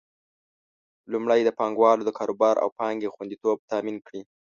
لومړی: د پانګوالو د کاروبار او پانګې خوندیتوب تامین کړي.